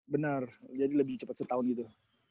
benar jadi lebih cepat setahun gitu